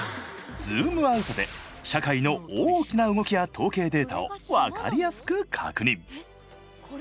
ズームアウトで社会の大きな動きや統計データを分かりやすく確認。